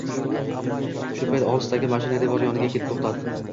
Shu payt olisdagi mashina devor yoniga kelib to‘xtadi.